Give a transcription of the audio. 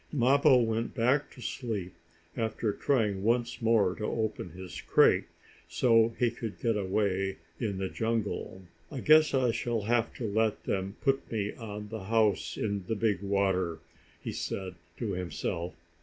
Mappo went back to sleep, after trying once more to open his crate so he could get away in the jungle. "I guess I shall have to let them put me on the house in the big water," he said to himself.